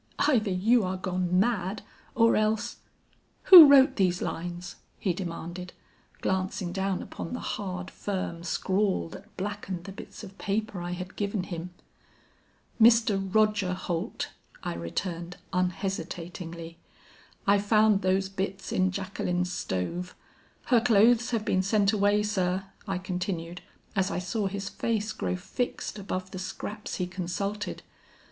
'Either you are gone mad, or else Who wrote these lines?' he demanded, glancing down upon the hard, firm scrawl that blackened the bits of paper I had given him. "'Mr. Roger Holt,' I returned unhesitatingly. 'I found those bits in Jacqueline's stove. Her clothes have been sent away, sir,' I continued as I saw his face grow fixed above the scraps he consulted.